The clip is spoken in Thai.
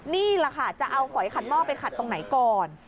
นี่แหละค่ะจะเอาฝอยขัดหม้อไปขัดตรงไหนก่อน